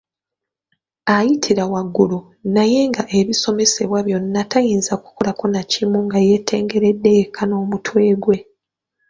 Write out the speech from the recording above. Ayitira waggulu, naye nga ebisomesebwa byonna tayinza kukolako nakimu nga yeetengeredde yekka n'omutwe gwe.